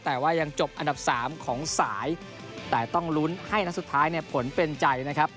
แต่ว่ายังจบอันดับสามของสายแต่ต้องลุ้นให้นัดสุดท้ายเนี่ยผลเป็นใจนะครับ